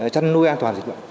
chăn nuôi an toàn dịch bệnh